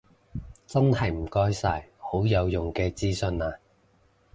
真係唔該晒，好有用嘅資訊啊